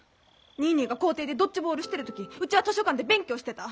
ニーニーが校庭でドッジボールしてる時うちは図書館で勉強してた。